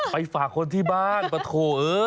ไปฝากคนที่บ้านปะโถ